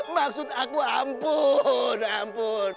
maksud aku ampun ampun